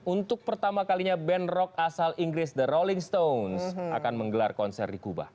untuk pertama kalinya band rock asal inggris the rolling stones akan menggelar konser di kuba